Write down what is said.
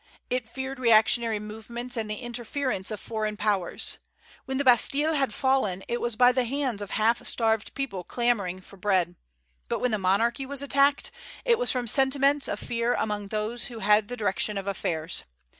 It feared reactionary movements and the interference of foreign powers. When the Bastille had fallen, it was by the hands of half starved people clamoring for bread; but when the monarchy was attacked, it was from sentiments of fear among those who had the direction of affairs.